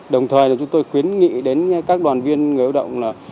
đồng thời là chúng tôi khuyến nghị đến các đoàn viên người lao động là